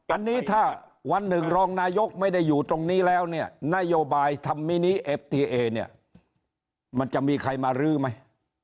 อันนี้ถ้าวันหนึ่งรองนายกไม่ได้อยู่ตรงนี้แล้วเนี่ยนโยบายทำมินิเอฟทีเอเนี่ยมันจะมีใครมารื้อไหม